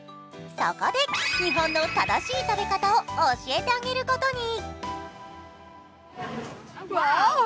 そこで、日本の正しい食べ方を教えてあげることに。